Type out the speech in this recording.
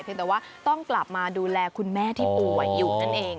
แต่ว่าต้องกลับมาดูแลคุณแม่ที่ป่วยอยู่นั่นเอง